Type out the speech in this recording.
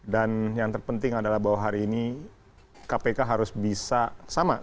dan yang terpenting adalah bahwa hari ini kpk harus bisa sama